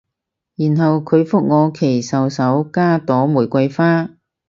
然後佢覆我祈禱手加朵玫瑰花